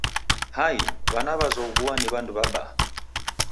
Hai, w'ana w'azoghua ni w'andu w'abaa.